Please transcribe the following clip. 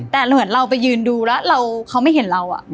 แต่เหมือนเราไปยืนดูแล้วเขาไม่เห็นเรา